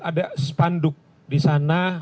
ada spanduk di sana